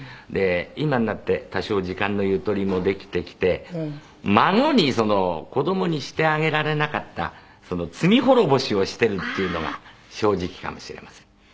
で今になって多少時間のゆとりもできてきて孫に子どもにしてあげられなかったその罪滅ぼしをしてるっていうのが正直かもしれません。